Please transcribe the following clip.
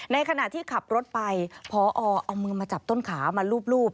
ในขณะที่ขับรถไปพอเอามือมาจับต้นขามาลูบ